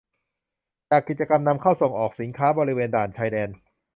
จากกิจกรรมนำเข้าส่งออกสินค้าบริเวณด่านชายแดน